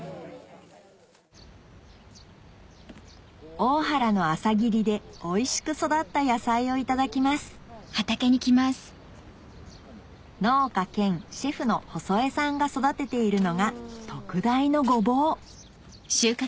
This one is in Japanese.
大原の朝霧でおいしく育った野菜をいただきます農家兼シェフの細江さんが育てているのが特大のゴボウ